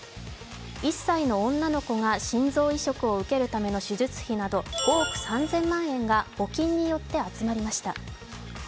１歳の女の子が心臓移植を受けるための手術費など、５億３０００万円が募金によって集まりました。